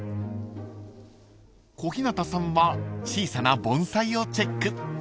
［小日向さんは小さな盆栽をチェック］